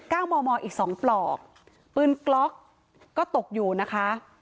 และ๙มมอีก๒ปลอกปืนกล๊อกก็ตกอยู่นะคะ